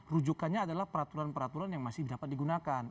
rujukannya adalah peraturan peraturan yang masih dapat digunakan